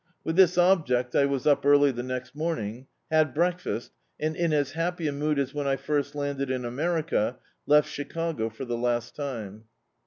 With this object, I was up early the next morning, had breakfast, and in as happy a mood as when I first landed in America, left Chi cago for the last time.